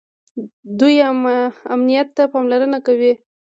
دوی امنیت ته پاملرنه کوي.